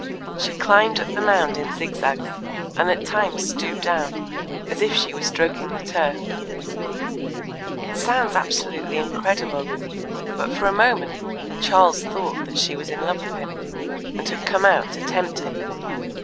She climbed up the mound in zigzags, and at times stooped down, as if she was stroking the turf. It sounds absolutely incredible, but for a moment Charles thought that she was in love with him, and had come out to tempt him.